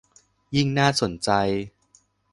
ยิ่งน่าสนใจ